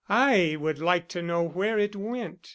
"I would like to know where it went.